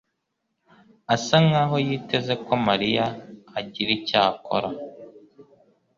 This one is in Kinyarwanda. asa nkaho yiteze ko Mariya agira icyo akora.